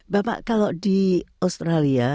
bapak kalau di australia